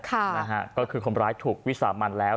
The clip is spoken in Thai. ค่ะนะฮะก็คือคนร้ายถูกวิสามันแล้ว